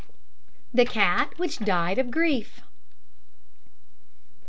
THE CAT WHICH DIED OF GRIEF.